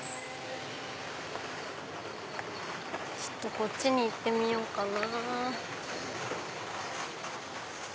ちょっとこっちに行ってみようかな。